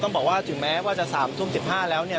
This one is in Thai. บอกว่าถึงแม้ว่าจะ๓ทุ่ม๑๕แล้วเนี่ย